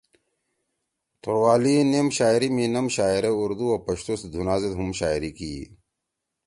توروالی نیم شاعری می نم شاعرے اُردو او پشتو سی دُھنا زید ہُم شاعری کی ئی۔